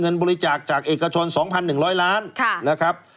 เงินบริจาคจากเอกชน๒๑๐๐ล้านบาท